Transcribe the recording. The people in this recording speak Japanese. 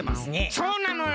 そうなのよ。